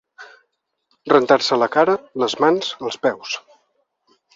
Rentar-se la cara, les mans, els peus.